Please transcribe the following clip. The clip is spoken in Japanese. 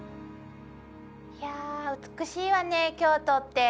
いや美しいわね京都って。